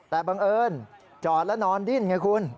แต่บังเอิญจอดแล้วนอนดิ้นไงคุณ